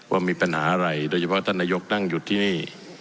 ว่ามีปัญหาอะไรโดยเฉพาะท่านนายกนั่งอยู่ที่นี่